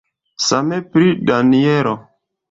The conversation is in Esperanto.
Same pri Danjelo.